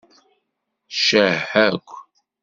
Ccah-ak!